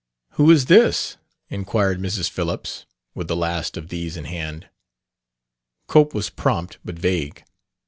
"Who is this?" inquired Mrs. Phillips, with the last of these in hand. Cope was prompt, but vague.